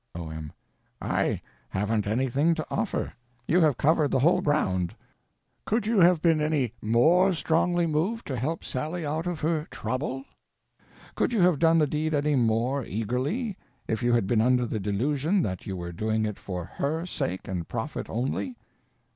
O.M. I haven't anything to offer; you have covered the whole ground. Can you have been any _more _strongly moved to help Sally out of her trouble—could you have done the deed any more eagerly—if you had been under the delusion that you were doing it for _her _sake and profit only?